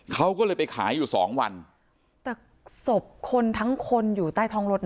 เขาก็เลยไปขายอยู่สองวันแต่ศพคนทั้งคนอยู่ใต้ท้องรถน่ะ